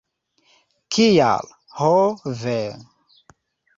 Kial, ho ve!